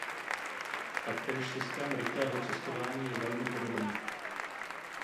Taktéž systém rychlého cestování je velmi podobný.